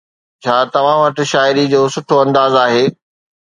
ڇا توهان وٽ شاعري جو سٺو انداز آهي؟